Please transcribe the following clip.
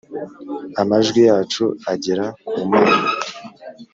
amajwi yacu agera ku mana